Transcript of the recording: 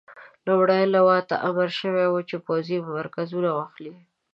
لومړۍ لواء ته امر شوی وو پوځي مرکزونه واخلي.